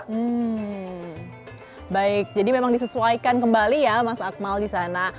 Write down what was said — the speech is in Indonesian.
hmm baik jadi memang disesuaikan kembali ya mas akmal di sana